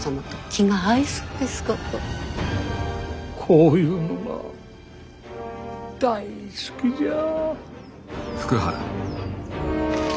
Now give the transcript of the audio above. こういうのが大好きじゃ。